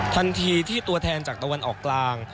ทันทีที่ตัวแทนจากตะวันออกกลาง